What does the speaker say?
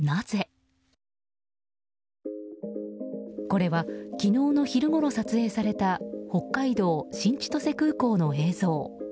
これは昨日の昼ごろ撮影された北海道新千歳空港の映像。